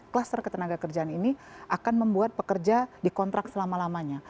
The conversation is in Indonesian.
kluster ketenaga kerjaan ini akan membuat pekerja dikontrak selama lamanya